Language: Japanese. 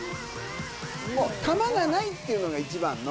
たまがないっていうのが一番の。